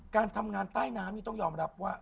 การทำงานใต้น้ำนี่ต้องยอมรับว่า